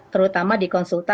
terutama di konsultan